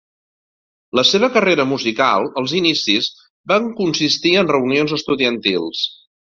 La seva carrera musical, als inicis, van consistir en reunions estudiantils.